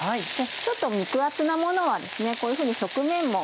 ちょっと肉厚なものはこういうふうに側面も。